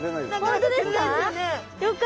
本当ですか？